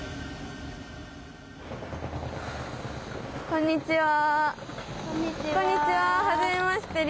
こんにちは。